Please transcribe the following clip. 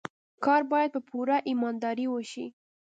کار باید په پوره ایماندارۍ وشي.